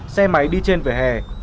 xe máy đi trên về hè